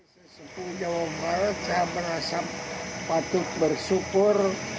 sesepuh jawa barat saya merasa patut bersyukur